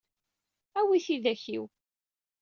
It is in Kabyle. Awi tidak-iw.